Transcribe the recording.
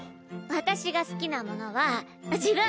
私が好きなものは自分！